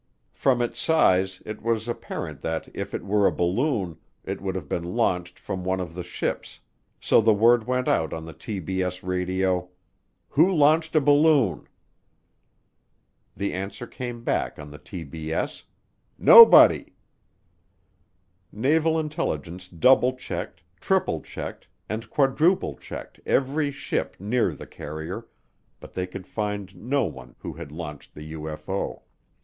From its size it was apparent that if it were a balloon, it would have been launched from one of the ships, so the word went out on the TBS radio: "Who launched a balloon?" The answer came back on the TBS: "Nobody." Naval Intelligence double checked, triple checked and quadruple checked every ship near the carrier but they could find no one who had launched the UFO.